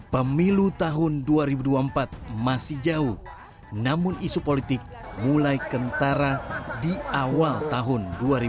pemilu tahun dua ribu dua puluh empat masih jauh namun isu politik mulai kentara di awal tahun dua ribu dua puluh